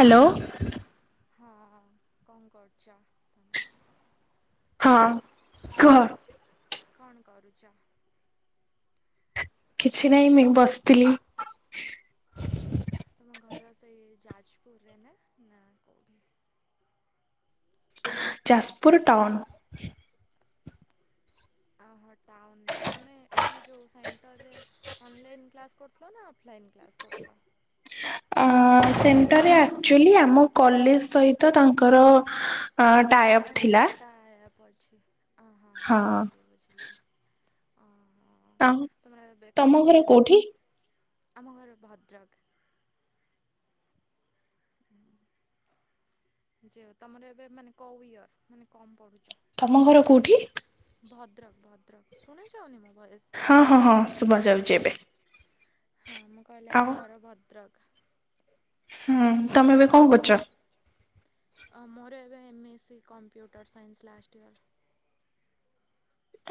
Hello. ହଁ ହଁ କଣ କରୁଚ ତମେ? ହଁ କହ। କଣ କରୁଚ? କିଛି ନାହିଁ ମୁଁ ବସିଥିଲି। ସେ ଯାଜପୁରରେ ନା ନା କଉ ଯାଜପୁର ଟାଉନ୍। ଓହୋ ଟାଉନରେ ତମେ ଏଠି ଯଉ ସେଣ୍ଟରରେ ଅନଲାଇନ୍ କ୍ଲାସ୍ କରୁଥିଲ ନା ଅଫ୍ ଲାଇନ୍ କ୍ଲାସ୍ କରୁଥିଲ? ଅ ସେଣ୍ଟରରେ ଆକ୍ଚୁଆଲି ଆମ କଲେଜ ସହିତ ତାଙ୍କର ଅ ଟାଏପ ଆଚ୍ଛା ଥିଲା। ଟା ଆପ୍ ଅଛି। ଅ ହଁ ହଁ ବୁଝଲିି ବୁଝଲି। ହଁ। ଆଁ ତମର ଏବେ କଣ ତମ ଘର ତମେ ଏବେ କଣ କୋଉଠି? ଆମ ଘର ଭଦ୍ରକ। ଯ ତମର ଏବେ ମାନେ କଉ ଇୟର ମାନେ କଣ ପଢୁଚ? ତମ ଘର କୋଉଠି? ଭଦ୍ରକ ଭଦ୍ରକ। ଶୁଣାଯାଉନି ମୁଁ? ହଁ ହଁ ହଁ ଶୁଭା ଯାଉଛି ଏବେ। ହଁ ମୁଁ କହିଲି ଆମ ଆଉ। ଘର ଭଦ୍ରକ। ହୁଁ ତମେ ଏବେ କଣ କରୁଚ? ମୋର ଏବେ M A C computer science last year.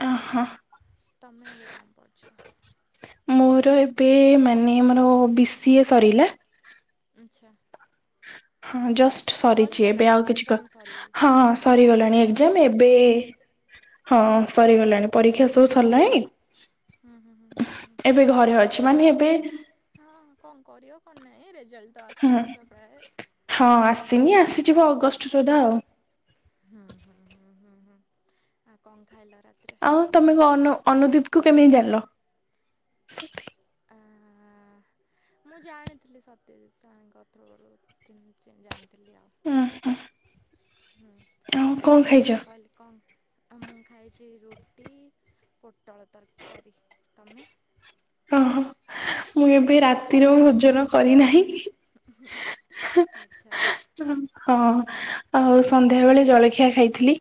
ଅ ହ। ତମେ ଏବେ କଣ ପଢ଼ୁଛ? ମୋର ଏବେ ମାନେ ମୋର ବି ସି ଏ ସରିଲା। ଆଚ୍ଛା। ହଁ ଜଷ୍ଟ ସରିଚି। ଏବେ ସରିଗଲାଣି ଆଉ କିଛି ଏକ୍ଜାମ ସରି ହଁ ଆଚ୍ଛା ସରିଗଲାଣି। ଏଗଜାମ ସେମିଷ୍ଟାର ଏବେ ସରିଥିବ। ହଁ ସରିଗଲାଣି ପରୀକ୍ଷା ସବୁ ସରିଲାଣି? ହୁଁ ହୁଁ ହୁଁ ହୁଁ ହୁଁ ହୁଁ ଏବେ ଘରେ ଅ ଛି ମାନେ ଏବେ ହଁ କଣ କରିବ କଣ ନାଇଁ ରେ ହୁଁ ହଁ ଆସିନି ଆସିଯିବ ଅଗଷ୍ଟ ସୁଦ୍ଧା ଆଉ। ହୁଁ ହୁଁ ହୁଁ ହୁଁ ହୁଁ ଆଉ କଣ ଖାଇଲ? ରାତିରେ? ଆଉ ତମେ ଅନ ଅନୁଦୀଦି କୁ କେମିତି ଜାଣିଲ। ଆଁ ମୁଁ ଜାଣିଥିଲି ସତ୍ୟଜିତ୍ ସାର୍ ଙ୍କ ଥ୍ରୋରୁ ତି ଜାଣିଥିଲି। ଆଉ। ଉଁ ହୁଁ। ହୁଁ ଆଉ ଏଇ କଣ ଯେ ଖାଇଛ? ମୁଁ କହିଲି କଣ ଆଉ ମୁଁ ଖାଇଛି ରୁଟି ପୋଟଳ ତରକାରୀ ତମେ? ଅ ହ ମୁଁ ଏବେ ରାତିର ଭୋଜନ କରିନାହିଁ। ଆଚ୍ଛା ହଁ ଆଉ ସନ୍ଧ୍ୟା ନ୍ଧ୍ୟାବେଳେ ଜଳଖିଆ ଖାଇଥିଲି।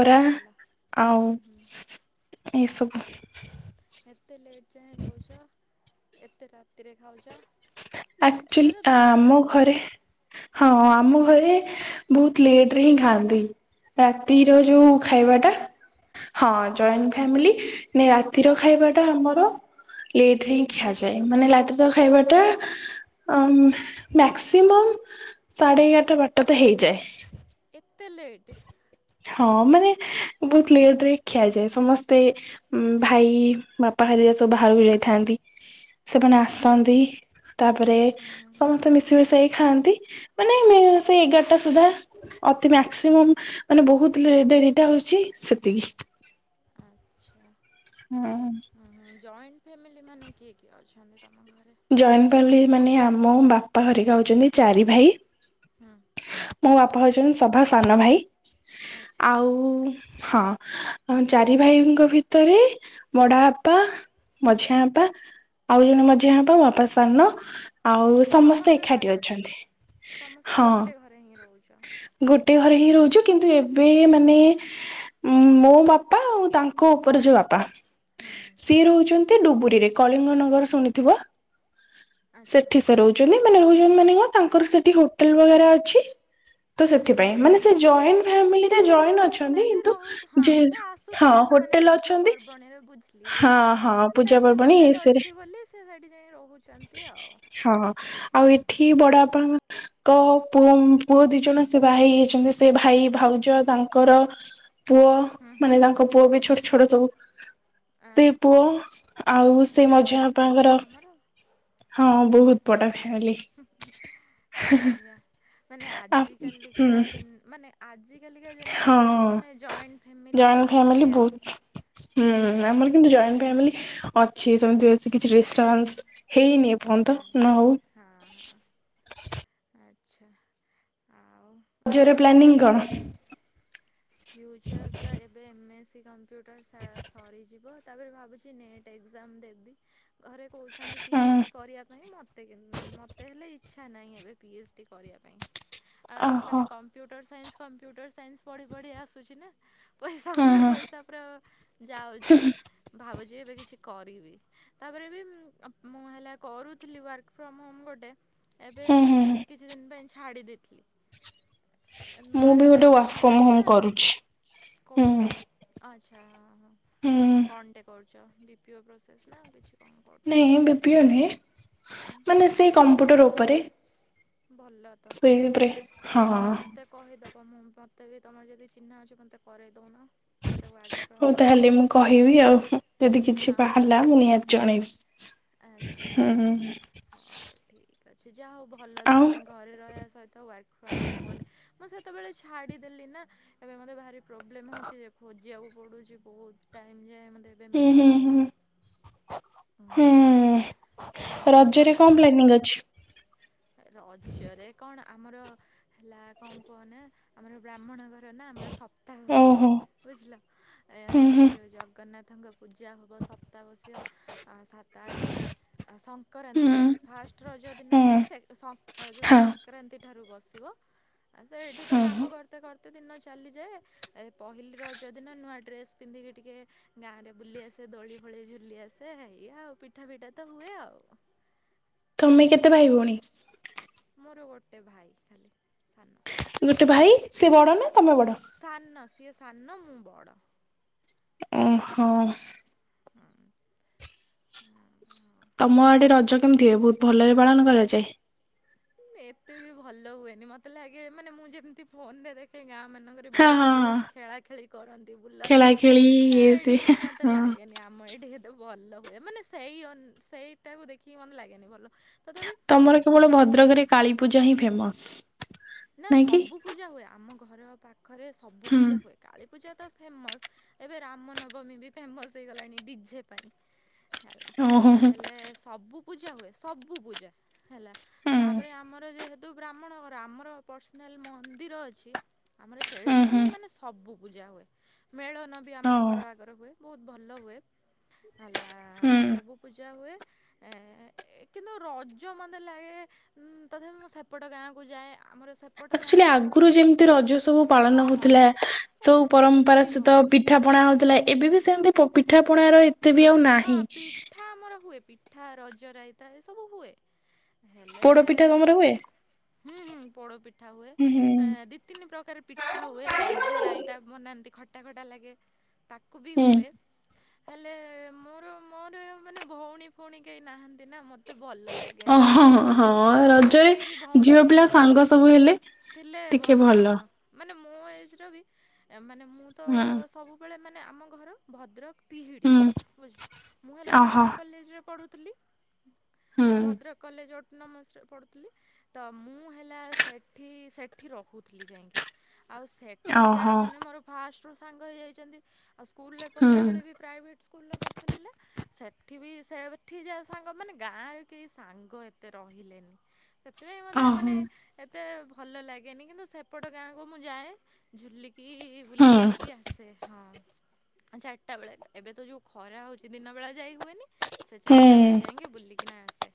କଣ ଖାଇଲ? ଆଉ ହୁଁ ହୁଁ ଏ ସବୁ। ଏତେ ଲେଟ୍ ଯାଏ ରୋହୁଚ ଏତେ ରାତିରେ ଖାଉଚ। ଆକ୍ଚୁଲି ଆମ ଘରେ ହେଲାଣି ହଁ ଆମ ଘରେ ବୋହୁତ କ୍ଲେଟ୍ ରେ ହିଁ ଖାଆନ୍ତି। କାଇଁ ରାତିର ଯୋଉ ଜଏଣ୍ଟ ଫ୍ୟାମିଲି କି ଖାଇବାଟା ହଁ ଜଏଣ୍ଟ ଫ୍ୟାମିଲି ନାଇଁ ରାତିର ଆଚ୍ଛା ଖାଇବାଟା ଆମର ଲେଟରେ ହିଁ ଖିଆଯାଏ। ମାନେ ଲାଟିର ଖାଇବା ଟା ଆମ୍ ମ୍ୟାକ୍ସିମମ୍ ସାଢେ ଏଗାରଟା ବାରଟା ତ ହେଇଯାଏ। [inaudible] ହଁ ମାନେ ବୋହୁତ ଲେଟ ରେ ଖିଆଯାଏ। ସମସ୍ତେ ଭାଇ ବାପା ହେରୀକା ସବୁ ବାହାରକୁ ଯାଇଥାନ୍ତି। ସେମାନେ ଆଚ୍ଛା ଆସନ୍ତି ତାପରେ ହୁଁ ହୁଁ ହୁଁ ହୁଁ ସମସ୍ତେ ହୁଁ ମିଶମୁଶା କି ଖାଆନ୍ତି। ମାନେ ସେଇ ଏଗାରଟା ସୁଦ୍ଧା ଅତି ମ୍ୟା କ୍ସିମମ୍ ମାନେ ବୋହୁତ ଲେ ଡେରିଟା ହୋଉଚି ସେତିକି। ଆଛା। ହୁଁ। ଫ୍ୟାମିଲି ମାନେ କିଏ କିଏ ଅଛନ୍ତି ତମ ଘରେ? ଜଏଣ୍ଟ ଫାଲି ମାନେ ଆମ ବାପା ହେରିକା ହୋଉଚନ୍ତି ଚାରି ଭାଇ ହୁଁ ମୋ ବାପ ହୋଉଚନ୍ତି ସଭା ସାନ ଭାଇ। ଆଚ୍ଛା ଆଉ ହଁ ଅ ଚାରି ଭାଇଙ୍କ ଭିତରେ ବଡ ବାପା ମଝିଆଁ ବାପା ଆଉ ଜଣେ ମଝିଆଁ [unintelligible] ସାନ ହୁଁ ଆଉ ହୁଁ ସମସ୍ତେ ଏକାଠି ସାଙ୍ଗରେ ଅଛନ୍ତି ସମସ୍ତେ ହଁ ଗୋଟେ ଘରେ ହିଁ ରହୁଛ। ଗୋଟେ ଘରେ ହେଇ ରହୁଛୁ। କିନ୍ତୁ ଏବେ ମାନେ ମୋ ବାପା ଆଉ ତାଙ୍କ ଉପରେ ଯୋଉ ବାପା ହୁଁ ହୁଁ ହୁଁ ସିଏ ରହୁଛନ୍ତି ଡୁବୁରିରେ। କଳିଙ୍ଗ ନଗର ଶୁଣିଥିବ। ଆଚ୍ଛା ସେଠି ସେ ରହୁଛନ୍ତି। [unintelligible] ତାଙ୍କର ସେଠି ହୋଟେଲ ବଗେରା ଅଛି। ତ ସେଥିପାଇଁ ଓହୋ ମାନେ ହୋ ସେ ଜଏଣ୍ଟ ଫ୍ୟାମିଲିରେ ଜଏଣ୍ଟ ଅଛନ୍ତି ସେଠି କିନ୍ତୁ ରହୁ ହଁ ଯେ ସେ ହଁ ଆସୁଥିବେ ମାନେ ହୋଟେଲ ପୂଜା ଅଛନ୍ତି ପର୍ବଣୀରେ ବୁଝିଲି ହଁ ବୁଝିଲି ହଁ ପୂଜା ସେଇଠି ପର୍ବାଣୀ ହୋଟେଲ ଏସରେ ଅଛି ବୋଲି ସେ ସେଠି ଯାଇ ରହୁ ହଁ ଆଉ ଏଠି ବଡବାପା ଙ୍କ ପୁଅ ପୁଅ ଦି ଜଣ ସେ ଭାଇ ହେଇଛନ୍ତି। ସେ ଭାଇ ଭାଉଜ ତାଙ୍କର ପୁଅ ହୁଁ ହୁଁ ମାନେ ତାଙ୍କ ପୁଅ ହୁଁ ବି ହୁଁ ଛୋଟ ଛୋଟ ସବୁ ସେ ପୁଅ ଆଚ୍ଛା। ଆଉ ସେ ଏତେ ବଡ଼ ଫ୍ୟାମିଲି ମଝିଆବାପାଙ୍କର ହଁ ବହୁତ ବଡ। ହଉ ବଢିଆ ମାନେ ଆ ଆଜି ହୁଁ କାଲିିକା ଦୁ ମାନେ ଆଜିକାଲିକା ହଁ ଜେନେରେସନରେ ମାନେ joint family joint family rare. ବହୁତ ହୁଁ ରେୟାର୍ ଆମର କିନ୍ତୁ ହଁ ଜଏଣ୍ଟ ଫ୍ୟାମିଲି ଅଛି ସେମିତି ବ କିଛି ଡିଷ୍ଟର୍ବାନ୍ସ ହେଇନି ଏପର୍ଯ୍ୟନ୍ତ ନାହିଁ ନ ହଉ ହଁ ହଁ ଆଚ୍ଛା ଆ ରଜରେ ପ୍ଲାନିଂ କଣ? ଫ୍ୟୁଚର ତ ଏବେ [unintelligible] ଯେଉଁଟା ସା ସରିଯିବ। ତାପରେ ଭାବୁଛି ନେଟ୍ ଏଜାମ ଦେବି। ଘରେ କହୁଛନ୍ତି ପି ଏଚ ହୁଁ ଡି କରିବା ପାଇଁ ମତେ ମତେ ହେଲେ ଇଛା ନାଇଁ ଏବେ ପି ଏଚ ଡି କରିବା ପାଇଁ। ଆ ଓହୋ ମାନେ କମ୍ପ୍ୟୁଟର ସାାଇନ୍ସ କମ୍ପ୍ୟୁଟର ସାଇନ୍ସ ପଢ଼ି ଥୋଡ଼ି ଆସୁଛି ନା। ପଇସା ହୁଁ ପରେ ହୁଁ ପଇସା ପୁରା ଯାଉଛି ଭାବୁଛି ଏବେ କିଛି କରିନି ତାପରେ ବି ମୁଁ ହେଲା କରୁଥିଲି ୱା ଫର୍ମ ହୋମ ଗୋଟେ ଏବେ ହୁଁ ହୁଁ ମ୍ ହୁଁ କିଛି ଦିନ ପାଇଁ ଛାଡିଦେ ଦେଖ ମୁଁ ବି ଗୋଟେ ୱାର୍କ ଫର୍ମ ନା ହୋମ କରୁଛି କେଉଁଠି ହୁଁ। ଆଚ୍ଛା। ହୁଁ କଣଟେ କରୁ ଛ ବିପିଓ ପ୍ରୋସେସ୍ ନା ଆଉ କିଛି କ'ଣ କରୁଛ ନାଇଁ ବିପିଓ ନୁହେ। ହୁଁ ମାନେ ସେଇ କମ୍ପୁଟର ଉପରେ ଭଲ ତ ସେଇଉପରେ ହଁ। ତ ମତେ ବି ତମର ଯଦି ଚିହ୍ନା ଅଛି ମୋତେ କରଇଦଉନା। ହଉ ତାହେଲେ ମୁଁ କହିବି ଆଉ ଯଦି ହଁ କିଛି ହଁ ବାହାରିଲା ମୁଁ ନିହାତି ଜଣେଇବି ଆଚ୍ଛା ହୁଁ ଆଛା ହଉ ଠିକ ଠିକ ଅଛି। ଯାହା ହଉ ଭଲ ଆଉ ତମେ ଘରେ ରହିବା ସହିତ ୱାର୍କ ଫ୍ରମ ହୋମ ଗୋଟେ ମୋ ସେତେବେଳେ ଛାଡିଦେଲି ନା ଏବେ ମତେ ଭାରି ପ୍ରୋବ୍ଲେମ୍ ହେଉଛି ଖୋଜିିବାକୁ। ପଡୁଛି ବହୁତ ଟାଇମ ଯାଏ। ମୋତେ ଏବେ ହୁଁ ହୁଁ ମିଳୁନି ବି। ହୁଁ ହୁଁ। ହୁଁ ରଜରେ ତାପରେ କଣ ମ ପ୍ଲାନିଂ ଅଛି? ରଜରେ କଣ ଆମର ହେଲା କଣ କୁହନ ଆମର ବ୍ରାହ୍ମଣ ଗ ନା ଆମର ସପ୍ତାହସେ ଓହୋ ବୁଝିଲ ଏ ହୁଁ ହୁଁ ଯୋଉ ଜଗନ୍ନାଥ ପୂଜା ହେବ ସପ୍ତାବସୀୟ ସାତ ଦ ହୁଁ ସଂକ୍ରାନ୍ତି ହୁଁ ଠାରୁ ଫାଷ୍ଟ ରଜ ଦିନ ନୁହଁ ସେ ସଂ ହଁ ସଂକ୍ରାନ୍ତି ଠାରୁ ବସିବ ଆ ସେ ଏଇଠି ତ ହଁ ହଁ କାମ କରତେ କରତ ଏତେ ଦିନ ଚାଲିଯାଏ ଏ ପହିଲି ରଜ ଦିନ ନୂଆ ଡ୍ରେସ୍ ପିନ୍ଧିକି ଟିକେ ଗାଁରେ ବୁଲି ଆସେ ଦୋଳି ଭଳି ଝୁଲି ଆସେ ଏଇଆ ଆଉ। ପିଠା ପିଠା ତ ହୁଏ ଆଉ। ତମେ କେତେ ଭାଇ ଭଉଣୀ? ମୋର ଗୋଟେ ଭାଇ ଖାଲି ସାନ। ଗୋଟେ ଭାଇ ସେ ବଡ ନା ତମେ ବଡ? ସାନ ସେ ସାନ ମୁଁ ବଡ଼। ଓହୋ। ହଁ ହଁ। ତମ ଆଡେ ରଜ କେମିତି ହୁଏ ବହୁତ ଭଲରେ ପାଳନ କରାଯାଏ। ଏତେ ବି ଭଲ ହୁଏନି ମତେ ଲାଗେ ମାନେ ମୁଁ ଯେମିତି ଫୋନରେ ଦେଖେ ଗାଁ ମାନଙ୍କରେ ହଁ ବଢିଆ ହଁ ହଁ ବହୁତ ଖେଳା ଖେଳି କରନ୍ତି ଖେଳା ବୁଲନ୍ତି ଖେଳି ଇଏ ଏଇଠି ସିଏ ମତେ ହଁ। ଲାଗେନି ଆମ ଏଇଠିତ ଭଲ ହୁଏ ମାନେ ସେଇ ଅନ୍ ସେଇଟାକୁ ଦେଖିକି ମତେ ଲାଗେନି ଭଲ ତଥାପି ତମର କେବଳ ଭଦ୍ରକରେ କାଳୀପୂଜା ହିଁ ଫେମସ୍ ନା ନାଇଁ କି? ସବୁ ପୂଜା ହୁଏ ଆମ ଘ୍ ଘର ପା ପାଖରେ ସବୁ ହୁଁ ପୂଜା ହୁଏ କାଳୀ ପୂଜା ତ ଫେମସ ଏବେ ରାମ ନବମୀ ବି ଫେମସ ହେଇଗଲାଣି ଡିଝେ ପାଇଁ ହେଲା ଓହୋ ହୁଁ ହେଲେ ସବୁ ପୂଜା ହୁଏ ସବୁ ପୂଜା ହେଲା। ହୁଁ ତାପରେ ଆମର ଯେହେତୁ ତୁ ବ୍ରାହ୍ମଣ ଘର ଆମର ପର୍ସନାଲ ମନ୍ଦିର ଅଛି ଆମର ହୁଁ ସେଇଠି ହଁ ମାନେ ସବୁ ପୂଜା ହୁଏ ମେଳନ ବି ଆମ ଘର ଆଗରେ ହୁଏ। ବହୁତ ଭଲ ହୁଏ ହେଲା ହୁଁ। ସବୁ ପୂଜା ହୁଏ କିନ୍ତୁ ରଜ ମୋତେ ଲାଗେ ତଥାପି ମୁଁ ସେପଟ ଗାଁକୁ ଯାଏ। ଆମର ସେ ଆକ୍ଚୁଆଲି ଆଗରୁ ଯେମିତି ରଜ ସବୁ ପାଳନ ହଁ ହଁ ହଉଥିଲା ହଁ ସବୁ ପରମ୍ପରା ସେମିତି ସହିତ ହଉନି ପିଠା ପଣା ହଉଥିଲା ଏବେ ବି ସେମିତି ପିଠାପଣାର ଏତ କେତେ ବି ଆଉ ହଁ ନାହିଁ। ପିଠା ଆମର ହୁଏ ପିଠା ରଜ ରାଇତା ଏ ସବୁ ହୁଏ। ହେଲେ ପୋଡ ପିଠା ତମର ହୁଏ? ହୁଁ ହୁଁ ପୋଡ ପିଠା ହୁଏ ହୁଁ ହୁଁ ଦି ତିନି ପ୍ରକାର ପିଠା ହୁଏ ରଜ ରାଇତା ବନାନ୍ତି ଖଟ ଖଟା ଖଟା ଲାଗେ ତା କୁବି ହୁଁ ହୁଏ। ହେଲେ ମୋର ମୋର ମାନେ ଭଉଣୀ ଭଉଣୀ କେହି ନାହାନ୍ତି ନା ମତେ ମତେ ଭଲ ଓ ଲାଗେନି ହଁ ଏତେ ହଁ ମତେ ରଜରେ ଲାଗେ କି ଭଉଣୀ ଝିଅ ପିଲା ହଁ ସାଙ୍ଗ ସବୁ ହେଲେ ଥିଲେ ଭଲ ହୁଅ ମାନେ ମୋ ଏଜ ର ବି ମାନେ ମୁଁ ତ ହୁଁ ସବୁବେଳେ ମାନେ ଆମ ଘର ଭଦ୍ରକ। ତିହିଡି ତେ ହୁଁ ବୁଝିଲ ମୁଁ ହେଲା ଓହୋ ଭଦ୍ରକ କଲେଜରେ ପଢ଼ୁ ହୁଁ ଭଦ୍ରକ କଲେଜ ଅଟ୍ ନମୋସ ରେ ପଢୁଥିଲି ତ ମୁଁ ହେଲା ସେଠି ସେଠି ରହୁଥିଲି ଯାଇଁକି। ଆଉ ସେଠି ଯା ଓହୋ ମାନେ ମୋର ଫାଷ୍ଟ ସାଙ୍ଗ ହେଇଯାଇଛନ୍ତି ଆଉ ସ୍କୁଲ ରେ ପଢିଲା ହୁଁ ବେଳେ ବି ପ୍ରାଇଭେଟ ଫୁଲ ପଢ଼ୁଥିଲା। ସେଠି ବି ସେଠି ଯାହା ସାଙ୍ଗ ମାନେ ଗାଁରେ କେହି ସାଙ୍ଗ ଏତେ ରହିଲେନି। ସେଥିପାଇଁ ମୋତେ ମାନେ ଓହୋ। ଏ ଏତେ ଭଲ ଲାଗେନି କିନ୍ତୁ ସେପଟ ଗାଁକୁ ମୁଁ ଯାଏ ଝୁଲିକି କି ବୁଲି ହୁଁ। ବାଲିିକି ଆସେ ହଁ। ଆ ଚାର ଟା ବେଳେ ଏବେ ତ ଯୋଉ ଖରା ହଉଛି ଦିନବେଳା ଯାଇ ହୁଏନି। ସେ ଚାରିଟା ବେଳେ ଯାଇକି ବୁଲିକି ନା ଆସେ।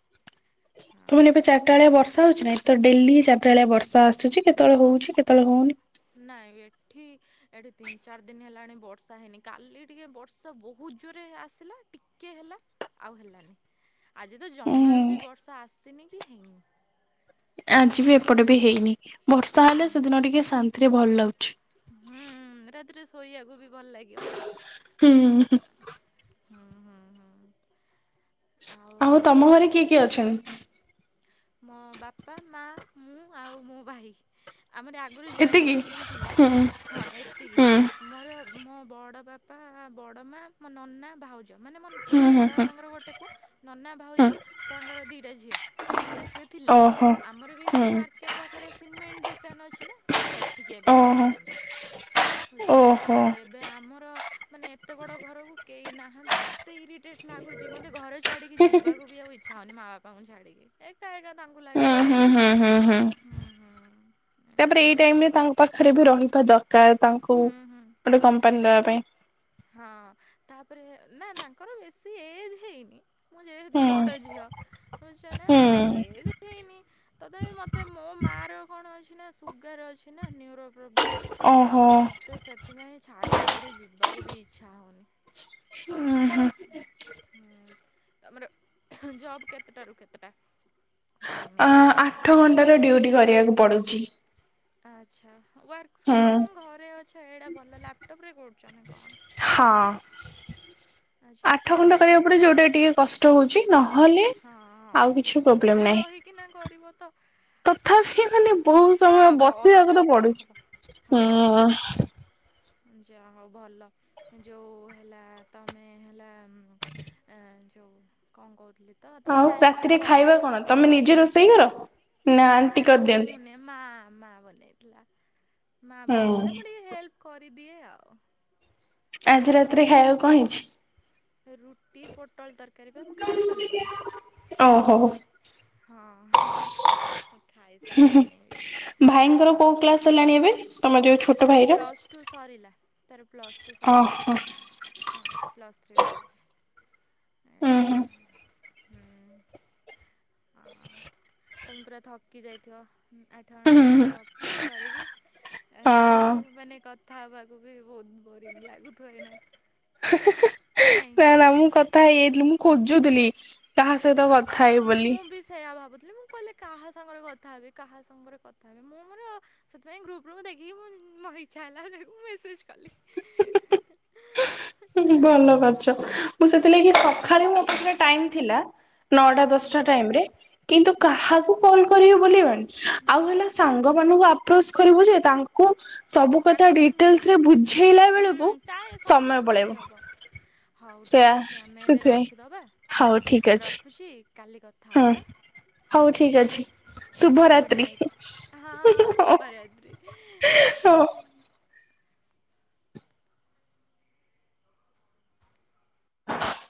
ତମେ ଏବେ ହଁ ଚାରିଟା ବେଳିଆ ବର୍ଷା ହଉଛି ନା ତ ଡେଲି ଚାର୍ କେତେବେଳେ ବର୍ଷା ଆସୁଛି ନା କେତେବେଳେ ହଉଛି କେତେବେଳେ ହଉନି ନାଇଁ ଏଠି ଏଠି ତିନି ଚାରି ଦିନ ହେଲାଣି ବର୍ଷା ହେଇନି କାଲି ଟିକେ ବର୍ଷା ବହୁତ ଜୋରେ ଆସିଲା ଟିକେ ହେଲା ଆଉ ହେଲାନି ଆଜି ତ ହୁଁ ଜମାରୁ ବି ବର୍ଷା ଆସିନି କି ହେଇନି। ଆଜି ବି ଏପଟେ ବି ହେଇନି। ବର୍ଷା ହେଲେ ହୁଁ ସେଦିନ ଟିକେ ଶାନ୍ତି ଏଥିରେ ଭଲ ଲାଗୁଛି। ହୁଁ ରାତିରେ ଶୋଇବାକୁ ବି ଭଲ ଲାଗିବ। ହୁଁ ହଁ ହୁଁ। ହୁଁ ହୁଁ ହୁଁ ଆଉ ତମ ଘରେ ସବୁ କେମିତି ଅଛନ୍ ମୋ ବାପା, ମା, ମୁଁ ଆଉ ମୋ ଭାଇ। ଆମର ଆଗରୁ ଜଏଣ୍ଟ ଏତିକି ଫ୍ୟାମିଲି ଥିଲା। ହୁଁ ହଁ ଏତିକି ହୁଁ ମୋର ମୋ ବଡ଼ ବାପା ବଡ଼ ମା ମୋ ନନା ଭାଉଜ ମାନେ ମୋ ନ ହୁଁ ମୋ ହୁଁ ବଡ ହୁଁ। ବାପାଙ୍କର ଗୋଟେ ନନା ଭାଉଜ ହୁଁ ତାଙ୍କର ଦିଇଟା ଝିଅ ହେଲା ସିଏ ଥିଲେ ଓହୋ ଆମର ବି ସେ ହୁଁ ମାର୍କେଟ ପାଖରେ ସିମେଣ୍ଟ ଦୋକାନ ଦୋକାନ ଅଛି ନା ସେ ସେଟ ଟଠିକେ ଏବେ ଓହୋ ପଳେଇଛନ୍ତି ବୁଝିଲ ଓହୋ ଆଉ ଏବେ ଆମର ମାନେ ଏତେ ବଡ ଘରକୁ କେହି ନାହାନ୍ତି ଏତେ ଇରିଟେଟ ଲାଗୁଛି ମତେ ଘର ଛ ଛାଡିକି ଯିବାକୁ ବି ଆଉ ଛ ହଉନି ମା ବାପାଙ୍କୁ ଛାଡିକି ଏକା ଏକା ତାଙ୍କୁ ହୁଁ ଲାଗିବ ନା ହୁଁ ହୁଁ ହୁଁ ହୁଁ ହୁଁ ତାପରେ ଏଇଆ ଏଇ ଟାଇମ ରେ ତାଙ୍କ ପାଖରେ ବି ରହିିବା ଦ ତାଙ୍କୁ ହୁଁ ହୁଁ ଗୋଟେ କମ୍ପାନୀ ତାପରେ ଦେବା ପାଇଁ ହଁ ତାପରେ ନା ତାଙ୍କର ବେଶୀ ଏଜ ହେଇନି ମୁଁ ଯେହେତୁ ବଡ ହୁଁ ଝିଅ ବୁଝୁଛ ନା ହୁଁ ଏ ହେଇନି ତଥାପି ମତେ ମୋ ମା ର କଣ ଅଛି ନା ସୁଗାର ଅଛି ନା ନିୟୁରୋ ପ୍ରୋବ୍ଲେମ ଆଉ ଓହୋ ମୋତେ ସେଥିପାଇଁ ଛାଡ଼ିିକୋ଼ି ଯିବାକୁ ବି ଇଚ୍ଛା ହେଉନି ହଁ ତମର ଜବ୍ କେତେଟାରୁ କେତେଟା ଟାଇମିଂ ଟୋଟାଲ ଡ୍ୟୁଟି କରିବାକୁ ପଡୁଛି, ଆଚ୍ଛା ୱାର୍କ ହୁଁ ଫ୍ରମ ହୋମ ଘରେ ଅଛ, ଏଇଟା ଭଲ ଲାପଟପ ରେ କରୁଛଛନ୍ତି କଣ ହଁ ଆଚ୍ଛା [inaudible] ଆଠ କୋଉଠି ଘଣ୍ଟା ତମ କରିବାକୁ ପଡ ଯୋଉଟା କମ୍ପ ଟିକେ କଷ୍ଟ ହଉଛି ନହେଲେ ଆଉ ହଁ କିଛି ଘରେ ପ୍ରୋବ୍ଲେମ ରହିକିନା ନାହିଁ କରିବ ତ ତଥାପି ମାନେ ବହୁତ ସମୟ ହଁ କଷ୍ଟ ବସିବାକୁ ତ ହବ। ପଡୁଛି ହଁ ହଁ ହୁଁ ଯା ହଉ ଭଲ ଯୋଉ ହେଲା ତମେ ହେଲା ଯୋଉ କଣ କହୁଥିଲି ତ ତମ ହଉ ଟାଇମିଂ ରାତିରେ ଖାଇବା ଅଛି? କଣ ତମେ ନିଜେ ରୋଷେଇ କର ନା ଆଣ୍ଟି ନା ମୁଁ କରିଦିଅନ୍ତି ନୁହେଁ ମା ମା ବନେଇ ପଥିଲା ମା ବନେଇଥିଲା ମୁଁ ହୁଁ ଟିକେ ହେଲ୍ପ କର ଦିଦିଏ ଆଉ ଆଜି ରାତିରେ ଖାଇବାକୁ କଣ ହେଇଛି, ରୁଟି ପୋଟଳ ତରକାରୀ [inaudible] କରିବା ମୁଁ ଖାଇ ସାରିଲିଣି ଓହୋ ହଁ ମୁଁ ଖାଇ ସାରିଲିଣି ବି ହଁ ଭାଇଙ୍କର କୋଉ କ୍ଲାସ ହେଲାଣି ଏବେ ତମ ଯୋଉ ଛୋଟ ତ ଭାଇର? ପ୍ଲସ ଟୁ ସରିଲା। ତାର [inaudible] ପ୍ଲସ୍ ଟୁ ସରିଲା ଓହୋ ହଁ ପ୍ଲସ୍ ଥ୍ରୀ ପଡ଼ୁଛି, ହୁଁ ହୁଁ ହୁଁ ତମେ ପୁରା ଥକି ଯାଇଥିବ ଆଠ ହୁଁ ଘଣ୍ଟାରେ ହୁଁ ଫିସ୍ କରିକି। ଆ ତମକୁ ହଁ। ମାନେ କଥା ହବାକୁ ବି ବହୁତ ବୋରିଙ୍ଗ ଲାଗୁଥିବ ଏନା ନା ନା ମୁଁ କଥା ହେଇଯାଇଥିଲି ମୁଁ ଖୋଜୁଥିଲି କାହା ସହିତ କଥା ହେଇ ବୋଲି ମୁଁ ବି ସେଇୟା ଭାବୁଥିଲି ମୁଁ କହିଲେ କାହା ସାଙ୍ଗରେ କଥା ହେବି କାହା ସାଙ୍ଗରେ କଥା ହେବି ମୁଁ ମୋର ସେଥିପାଇଁ ଗ୍ରୁପ ର ଦେଖିକି ମୋ ଇଚ୍ଛା ହେଲା ମୁ ମେସେଜ କଲି ହୁଁ ଭଲ କରିୁଛ ହଁ ମୁଁ ହଁ ସେଥିଲାଗି ସଖାଳେ ରେ ମୁଁ ମତେ ଟାଇମ ଥିଲା ନଅଟା ହୁଁ ହୁଁ ଦଶଟା ଟାଇମରେ କିନ୍ତୁ ହୁଁ କାହାକୁ କଲ କରିବ ବୋଲି ହେ ଆଉ ହେଲା ସାଙ୍ଗ ମାନଙ୍କୁ ଆପ ତୋଷ କରିବୁ ଯେ ତାଙ୍କୁ ସବୁ କଥା ତାଙ୍କୁ ତ ଡିଟେଲସରେ ମିଳିବନି ବୁଝେଇଲା ହୁଁ ବେଳକୁ ତା ସମୟ କୋଉଠି ପଳେଇବ। ହବ ହଉ ସେୟା ଠିକ ଅଛି ଆମେ ଏବେ ସେଥିପାଇଁ ରଖିଦବା ଶୁଣ ହଉ ଠିକ ଅଛି ରଖୁଛି କାଲି କଥା ହଁ ହେବା ହୁଁ ହଉ ଠିକ ଅଛି ହଁ ଗୁଡ଼ ଶୁଭରାତ୍ରି ନାଇଟ୍ ହଁ ହଁ ଶୁଭରାତ୍ରୀ। ହଁ।